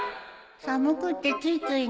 寒くってついついね